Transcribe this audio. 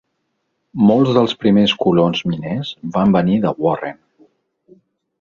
Molts dels primers colons miners van venir de Warren.